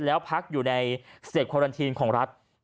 แล้วพักอยู่ในสเตควารันทีนของรัฐ